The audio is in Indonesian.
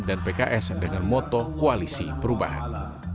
dan pks dengan moto koalisi perubahan